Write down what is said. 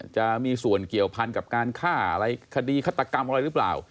จะมีส่วนเกี่ยวพันกับการฆ่าอะไรคดีฆาตกรรมอะไรหรือเปล่า